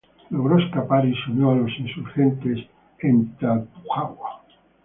Logró escapar y se unió a los insurgentes en Tlalpujahua.